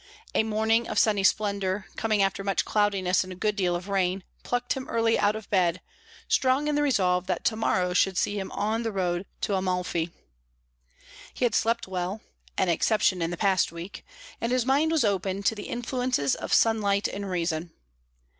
A morning of sunny splendour, coming after much cloudiness and a good deal of rain, plucked him early out of bed, strong in the resolve that to morrow should see him on the road to Amalfi. He had slept well an exception in the past week and his mind was open to the influences of sunlight and reason.